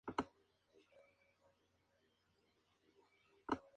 Tenían entonces dos hijos y uno en camino.